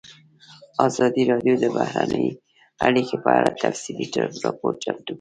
ازادي راډیو د بهرنۍ اړیکې په اړه تفصیلي راپور چمتو کړی.